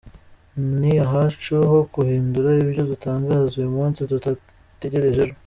Ni ahacu ho guhindura ibyo dutangaza uyu munsi tudategereje ejo.”